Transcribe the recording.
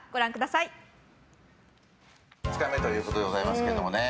さあ、２日目ということでございますけどもね。